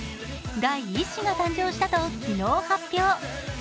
第１子が誕生したと昨日発表。